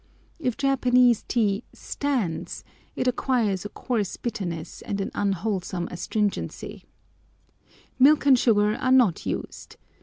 If Japanese tea "stands," it acquires a coarse bitterness and an unwholesome astringency. Milk and sugar are not used.